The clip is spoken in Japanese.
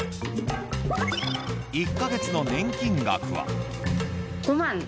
１か月の年金額は。